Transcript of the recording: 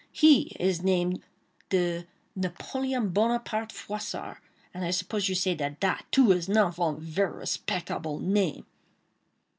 He is name de Napoleon Bonaparte Froissart, and I suppose you say dat dat, too, is not von ver respectable name."